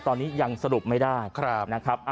ตอนนี้ยังสรุปไม่ได้นะครับ